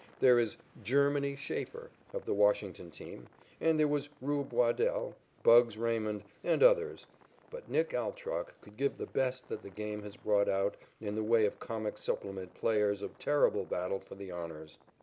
There is "Germany" Schaefer of the Washington team, and there were "Rube" Waddell, "Bugs" Raymond and others, but "Nick" Altrock could give the best that the game has brought out in the way of comic supplement players a terrible battle for the honors.